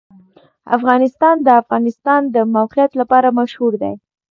افغانستان د د افغانستان د موقعیت لپاره مشهور دی.